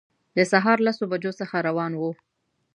د سهار لسو بجو څخه روان وو.